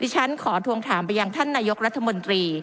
ฉันขอทวงถามไปยังท่านนายกรัฐมนตรี